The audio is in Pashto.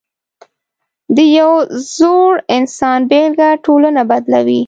د یو زړور انسان بېلګه ټولنه بدلوي.